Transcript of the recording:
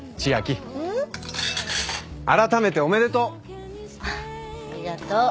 あらためておめでとう。